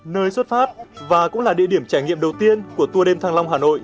nơi xuất phát và cũng là địa điểm trải nghiệm đầu tiên của tour đêm thăng long hà nội